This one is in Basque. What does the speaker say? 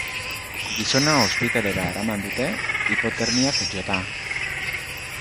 Gizona ospitalera eraman dute, hipotermiak jota.